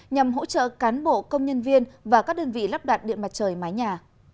nhằm hỗ trợ cán bộ công nhân viên và các đơn vị lắp đặt điện mặt trời mái nhà